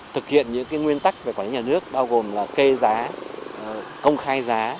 thực hiện những nguyên tắc về quản lý nhà nước bao gồm là kê giá công khai giá